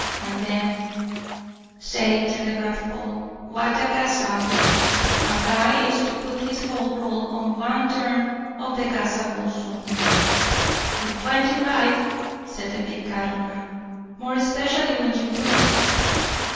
And den—say, telegraph pole, what a gazaboo a guy is to put his whole roll on one turn of the gaboozlum!" "You're plenty right," said the big cattleman; "more 'specially when you lose.